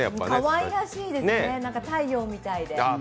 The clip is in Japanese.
かわいらしいですね、太陽みたいで。